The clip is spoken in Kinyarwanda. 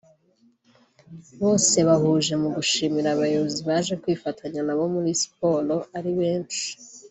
bose bahurije mu gushimira abayobozi baje kwifatanya na bo muri siporo ari benshi